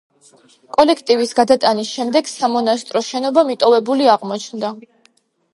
კოლექტივის გადატანის შემდეგ სამონასტრო შენობა მიტოვებული აღმოჩნდა.